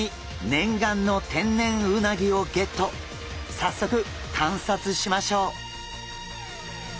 早速観察しましょう！